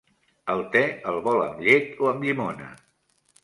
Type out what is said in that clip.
El te el vol amb llet o amb llimona?